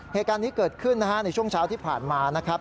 เหตุการณ์นี้เกิดขึ้นนะฮะในช่วงเช้าที่ผ่านมานะครับ